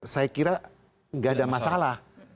saya kira nggak ada masalah